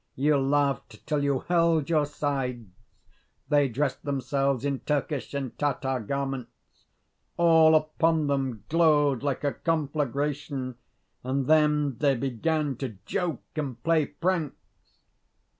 you laughed till you held your sides. They dressed themselves in Turkish and Tatar garments. All upon them glowed like a conflagration, and then they began to joke and play pranks....